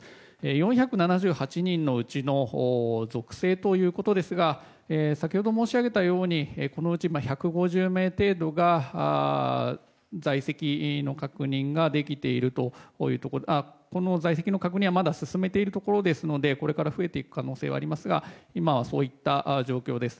４７８人のうちの属性ということですが先ほど申し上げたようにこのうち１５０名程度が在籍の確認はまだ進めているところですのでこれから増えていく可能性はありますが今はそういった状況です。